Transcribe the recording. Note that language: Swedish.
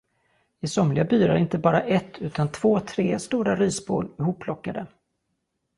I somliga byar är inte bara ett, utan två, tre stora risbål hopplockade.